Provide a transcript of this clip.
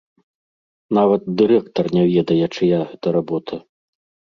Нават дырэктар не ведае, чыя гэта работа.